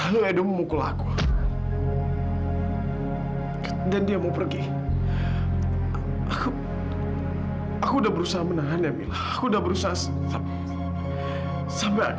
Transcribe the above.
tidurlah kafa anakku sayang